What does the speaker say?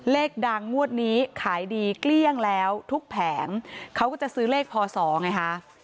เลขดังงวดนี้ขายดีเกลี้ยงแล้วทุกแผงเขาก็จะซื้อเลขพศไงคะ